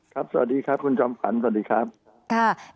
ครับสวัสดีครับคุณจอมฟันสวัสดีครับ